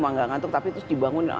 mangga ngantuk tapi terus dibangun